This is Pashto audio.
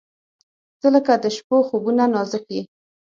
• ته لکه د شپو خوبونه نازک یې.